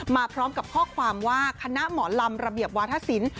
มาพร้อมกับข้อความว่าคณะหมอลำระเบียบวาธศิลป